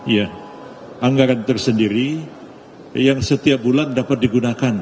ya anggaran tersendiri yang setiap bulan dapat digunakan